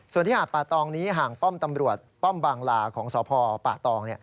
ส่วนที่หาดป่าตองนี้ห่างป้อมตำรวจป้อมบางลาของสพป่าตอง